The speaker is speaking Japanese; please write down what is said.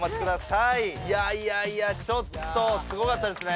いやいやちょっとすごかったですね！